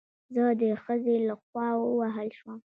زه د خځې له خوا ووهل شوم